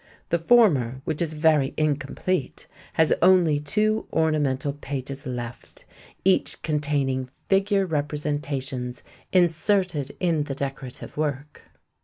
The former, which is very incomplete, has only two ornamental pages left, each containing figure representations inserted in the decorative work.